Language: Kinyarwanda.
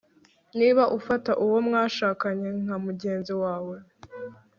niba ufata uwo mwashakanye nka mugenzi wawe